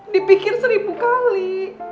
dipikir seribu kali